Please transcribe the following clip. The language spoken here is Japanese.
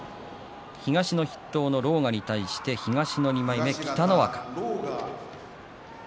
東の筆頭の狼雅に対して東の２枚目、北の若